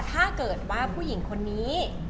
ถ้าเกิดว่าผู้หญิงคนนี้